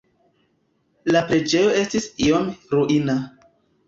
La preĝejo estis iom ruina.